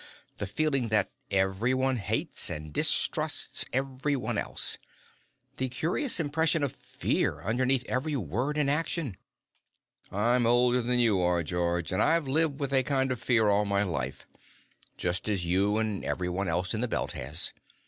The feeling that everyone hates and distrusts everyone else. The curious impression of fear underneath every word and action. "I'm older than you are, George, and I've lived with a kind of fear all my life just as you and everyone else in the Belt has.